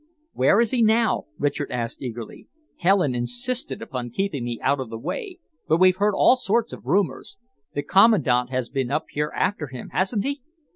"Where is he now?" Richard asked eagerly. "Helen insisted upon keeping me out of the way but we've heard all sorts of rumours. The Commandant has been up here after him, hasn't he?"